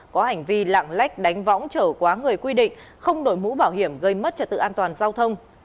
có hành vi lạng lách đánh võng trở quá người quy định không đổi mũ bảo hiểm gây mất trật tự an toàn giao thông